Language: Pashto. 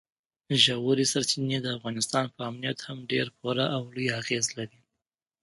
ژورې سرچینې د افغانستان په امنیت هم ډېر پوره او لوی اغېز لري.